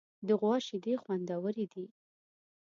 د غوا شیدې خوندورې دي.